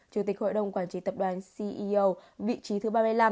chủ tịch hội đồng quản trị tập đoàn ceo vị trí thứ ba mươi năm